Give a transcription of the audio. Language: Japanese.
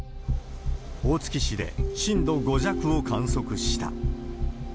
大月市で震度５弱を観測した。